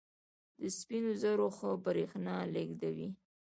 د سپینو زرو ښه برېښنا لېږدوي.